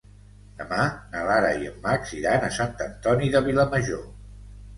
Demà na Lara i en Max iran a Sant Antoni de Vilamajor.